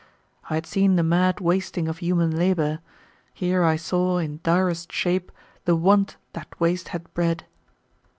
I had seen the mad wasting of human labor; here I saw in direst shape the want that waste had bred.